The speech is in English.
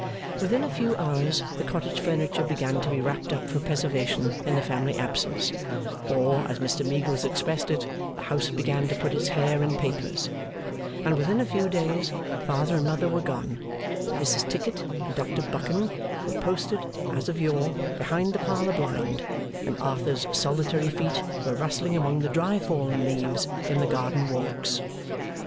Within a few hours the cottage furniture began to be wrapped up for preservation in the family absence or, as Mr Meagles expressed it, the house began to put its hair in papers and within a few days Father and Mother were gone, Mrs Tickit and Dr Buchan were posted, as of yore, behind the parlour blind, and Arthur's solitary feet were rustling among the dry fallen leaves in the garden walks.